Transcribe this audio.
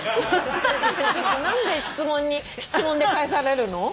何で質問に質問で返されるの。